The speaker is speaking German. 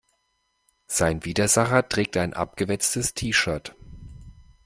Sein Widersacher trägt ein abgewetztes T-Shirt.